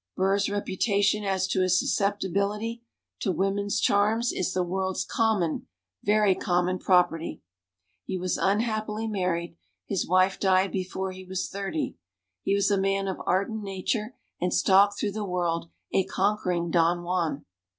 Burr's reputation as to his susceptibility to women's charms is the world's common very common property. He was unhappily married; his wife died before he was thirty; he was a man of ardent nature and stalked through the world a conquering Don Juan.